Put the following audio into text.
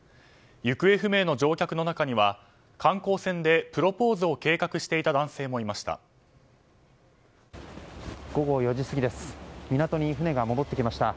行方不明の乗客の中には観光船でプロポーズを計画していた男性もいました。